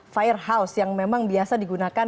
fire house yang memang biasa digunakan